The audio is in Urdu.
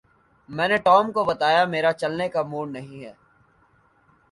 میں نے ٹام کو بتایا میرا چلنے کا موڈ نہیں ہے